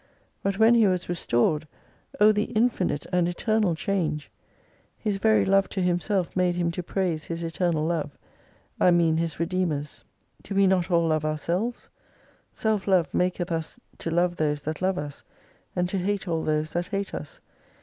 But when he was restored, O the infinite and eternal change ! His very love to himself made him to praise His eternal Love : I mean his Redeemer's. Do we 27^ not all love ourselves ? Self love maketh us to love those that love us, and to hate all those that hate us.